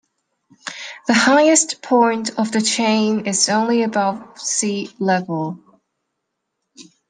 The highest point of the chain is only above sea level.